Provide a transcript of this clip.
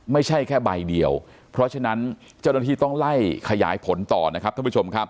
ไม่ใช่แค่ใบเดียวเพราะฉะนั้นเจ้าหน้าที่ต้องไล่ขยายผลต่อนะครับท่านผู้ชมครับ